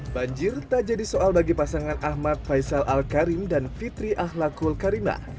banjir tak jadi soal bagi pasangan ahmad faisal al karim dan fitri ahlakul karimah